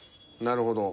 なるほど。